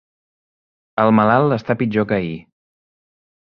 El malalt està pitjor que ahir.